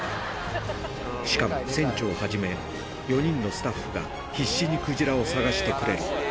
しかも船長はじめ４人のスタッフが必死にクジラを探してくれる。